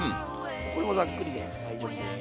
これもザックリで大丈夫です。